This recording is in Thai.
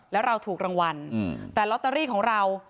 แล้วเราถูกรางวัลแต่ลอตเตอรี่ของเรา